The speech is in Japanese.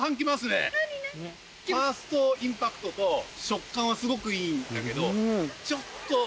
ファーストインパクトと食感はすごくいいんだけど。